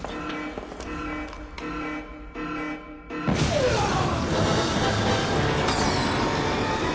うわっ！